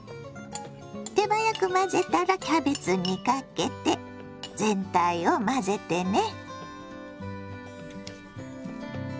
手早く混ぜたらキャベツにかけて全体を混ぜてね。